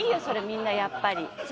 それみんなやっぱり。